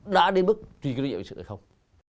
đã đến mức truy cứu nhiệm về sự hành hùng